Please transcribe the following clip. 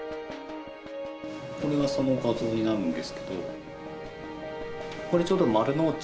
これがその画像になるんですけど。